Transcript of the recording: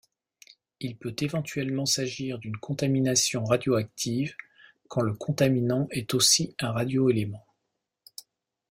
Il peut éventuellement s'agir d'une contamination radioactive quand le contaminant est aussi un radioélément.